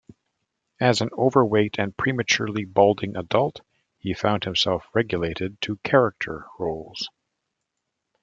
As an overweight and prematurely balding adult, he found himself relegated to character roles.